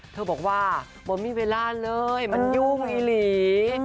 เธอบอกว่าโบมีเวลาเลยมันยุ่งอีหลี